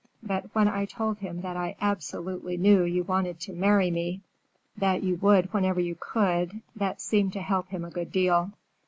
But when I told him that I absolutely knew you wanted to marry me, that you would whenever you could, that seemed to help him a good deal."